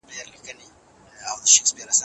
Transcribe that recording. مور باید شیدې په کافي اندازه ورکړي.